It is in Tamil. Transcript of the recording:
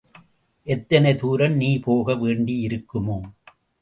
எத்தனை தூரம் நீ போக வேண்டியிருக்குமோ!